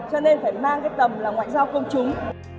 cho nên phải mang cái tầm là ngoại giao công chúng